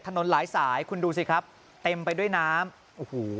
หลายสายคุณดูสิครับเต็มไปด้วยน้ำโอ้โห